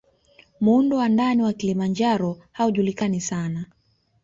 Muundo wa ndani wa Kilimanjaro haujulikani sana